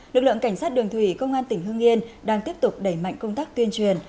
lực lượng cảnh sát đường thủy công an tỉnh hương yên đang tiếp tục đẩy mạnh công tác tuyên truyền